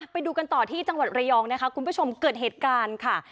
ไปดูกันต่อที่จังหวัดระยองนะคะคุณผู้ชมเกิดเหตุการณ์ค่ะ